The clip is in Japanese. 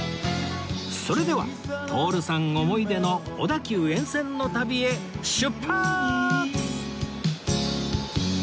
それでは徹さん思い出の小田急沿線の旅へ出発！